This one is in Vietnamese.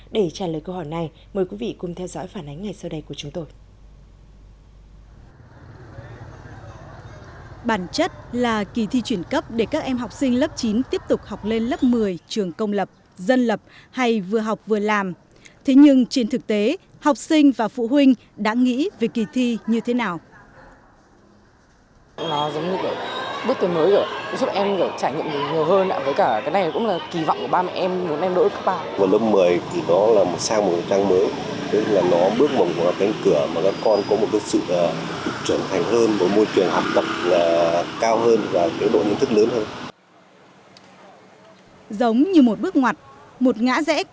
để trả lời câu hỏi này mời quý vị cùng theo dõi phản ánh ngày sau đây của chúng tôi